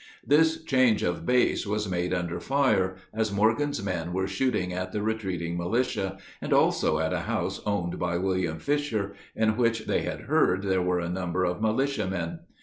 This change of base was made under fire, as Morgan's men were shooting at the retreating militia, and also at a house owned by William Fisher, in which they had heard there were a number of militiamen.